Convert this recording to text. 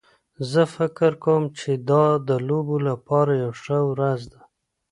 زه فکر کوم چې دا د لوبو لپاره یوه ښه ورځ ده